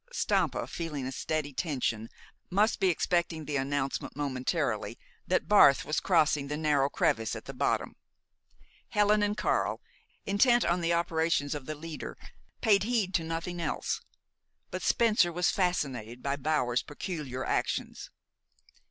Stampa, feeling a steady tension, must be expecting the announcement momentarily that Barth was crossing the narrow crevice at the bottom. Helen and Karl, intent on the operations of the leader, paid heed to nothing else; but Spencer was fascinated by Bower's peculiar actions.